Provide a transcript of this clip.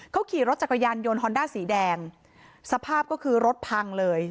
เขาขี่รถจักรยานยนต์ฮอนด้าสีแดงสภาพก็คือรถพังเลย